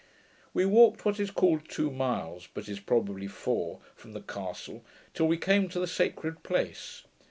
We walked what is called two miles, but is probably four, from the castle, till we came to the sacred place.